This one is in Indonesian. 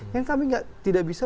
yang kami tidak bisa